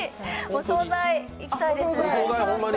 お総菜行きたいです。